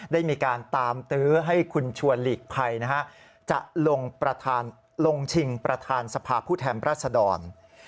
ได้มีการตามตื้อให้คุณชวนหลีกภัยจะลงประธานลงชิงประธานสภาพผู้แทนรัศดร